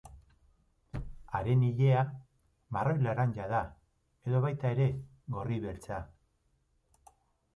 Haren ilea marroi-laranja da edo baita ere gorri-beltza.